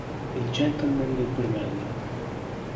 Il gentleman del Brunello".